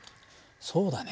そうだね。